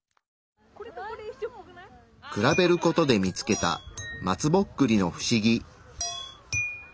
比べる事で見つけた松ぼっくりのフシギ。